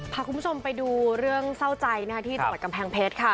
พาคุณผู้ชมไปดูเรื่องเศร้าใจที่จังหวัดกำแพงเพชรค่ะ